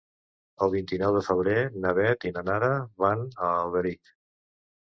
El vint-i-nou de febrer na Beth i na Nara van a Alberic.